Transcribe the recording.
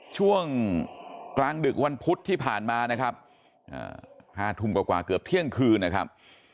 ช่วงกลางดึกวันพุธที่ผ่านมานะครับ๕ทุ่มกว่าเกือบเที่ยงคืนนะครับ